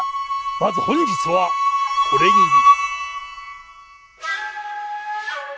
まず本日はこれぎり。